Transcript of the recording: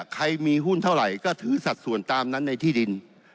ใครมีหุ้นเท่าไหร่ก็ถือสัดส่วนตามนั้นในที่ดิน